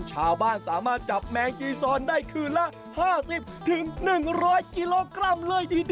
ชาวบ้านสามารถจับแมงจีซอนได้คืนละ